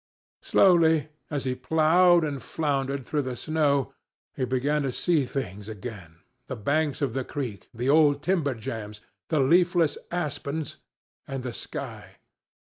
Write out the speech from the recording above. Slowly, as he ploughed and floundered through the snow, he began to see things again—the banks of the creek, the old timber jams, the leafless aspens, and the sky.